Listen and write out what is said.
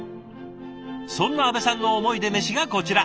そんな阿部さんのおもいでメシがこちら。